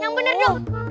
yang bener dong